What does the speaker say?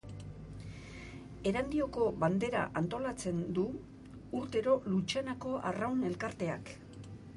Erandioko Bandera antolatzen du urtero Lutxanako Arraun Elkarteak.